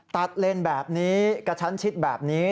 เลนแบบนี้กระชั้นชิดแบบนี้